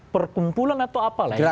perkumpulan atau apalah ya